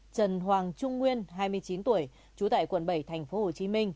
trần hoàng trung nguyên hai mươi chín tuổi trú tại quận bảy tp hcm